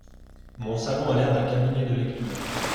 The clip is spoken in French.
Mon salon a l’air d’un cabinet de lecture.